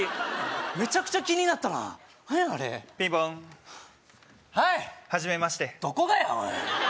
メチャクチャ気になったな何やあれピンポンはいはじめましてどこがやおい！